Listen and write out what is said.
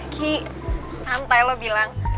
ki santai lu bilang